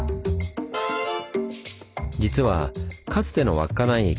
実はかつての稚内駅